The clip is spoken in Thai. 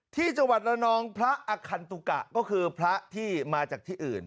ที่จังหวัดละนองพระอคันตุกะก็คือพระที่มาจากที่อื่น